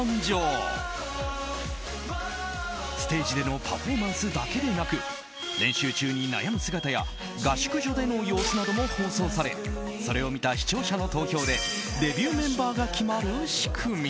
ステージでのパフォーマンスだけでなく練習中に悩む姿や合宿所での様子なども放送されそれを見た視聴者の投票でデビューメンバーが決まる仕組み。